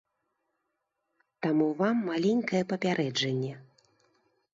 Таму вам маленькае папярэджанне.